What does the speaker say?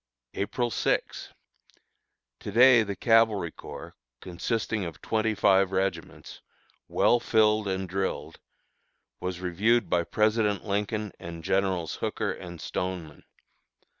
April 6. To day the Cavalry Corps, consisting of twenty five regiments, well filled and drilled, was reviewed by President Lincoln and Generals Hooker and Stoneman.